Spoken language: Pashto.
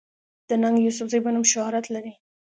د “ ننګ يوسفزۍ” پۀ نوم شهرت لري